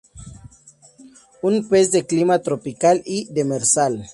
Es un pez de Clima tropical y demersal.